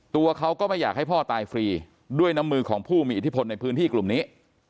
ตัวเขาก็ไม่อยากให้พ่อตายฟรีด้วยน้ำมือของผู้มีอิทธิพลในพื้นที่กลุ่มนี้